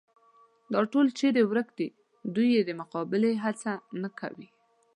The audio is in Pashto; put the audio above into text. دا ټول چېرې ورک دي، دوی یې د مقابلې هڅه نه کوي.